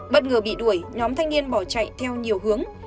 bất ngờ bị đuổi nhóm thanh niên bỏ chạy theo nhiều hướng